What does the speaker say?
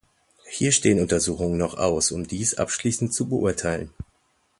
Hier stehen Untersuchungen noch aus, um dies abschließend zu beurteilen.